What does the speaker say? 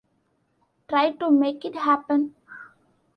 Try to make it happen!